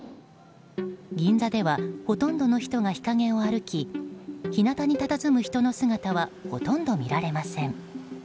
銀座ではほとんどの人が日陰を歩き日向にたたずむ人の姿はほとんど見られません。